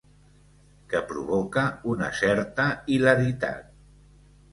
Que provoca una certa hilaritat.